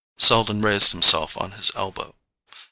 Selden raised himself on his elbow.